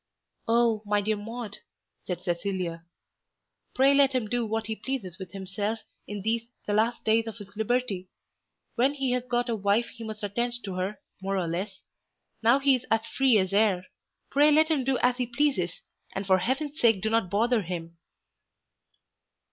"Oh, my dear Maude," said Cecilia, "pray let him do what he pleases with himself in these the last days of his liberty. When he has got a wife he must attend to her, more or less. Now he is as free as air. Pray let him do as he pleases, and for heaven's sake do not bother him!"